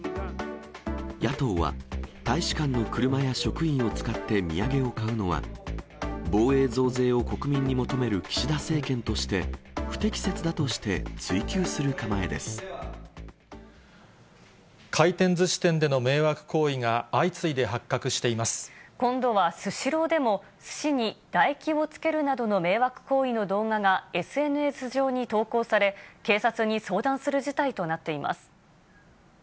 野党は大使館の車や職員を使って土産を買うのは、防衛増税を国民に求める岸田政権として、不適切だとして、回転ずし店での迷惑行為が相今度はスシローでも、すしに唾液をつけるなどの迷惑行為の動画が、ＳＮＳ上に投稿され、警察に相談する事態となっています。